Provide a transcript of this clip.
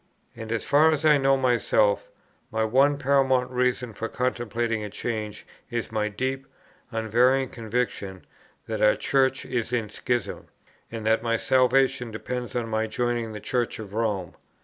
"And as far as I know myself, my one paramount reason for contemplating a change is my deep, unvarying conviction that our Church is in schism, and that my salvation depends on my joining the Church of Rome.